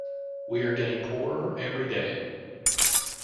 We are getting poorer every day.